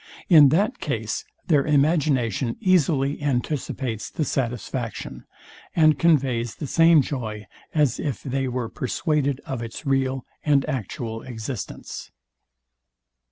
In that case their imagination easily anticipates the satisfaction, and conveys the same joy, as if they were persuaded of its real and actual existence.